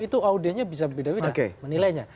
itu audiennya bisa beda beda menilainya